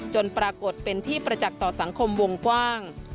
ปรากฏเป็นที่ประจักษ์ต่อสังคมวงกว้าง